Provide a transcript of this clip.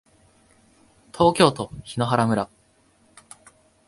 東京都檜原村